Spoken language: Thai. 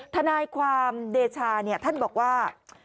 ทนายความเดชาท่านบอกว่า